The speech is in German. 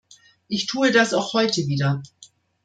Ich tue das auch heute wieder.